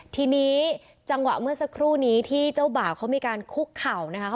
ทีนี้จังหวะเมื่อสักครู่นี้ที่เจ้าบ่าวเขามีการคุกเข่านะคะ